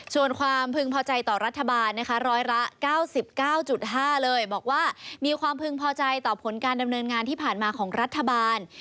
ส่วนความพึงพอใจต่อรัฐบาลนะคะร้อยละ๙๙๕เลยบอกว่ามีความพึงพอใจต่อผลการดำเนินงานที่ผ่านมาของรัฐบาล